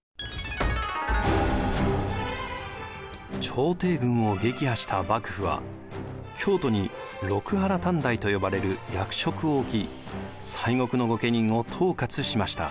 朝廷軍を撃破した幕府は京都に六波羅探題と呼ばれる役職を置き西国の御家人を統括しました。